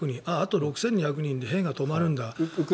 あと６２００人で兵が止まるんだ。